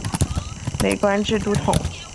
累官至都统。